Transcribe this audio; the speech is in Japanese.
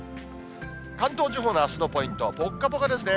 関東地方のあすのポイント、ぽっかぽかですね。